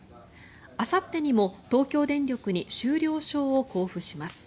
あさってにも東京電力に修了証を交付します。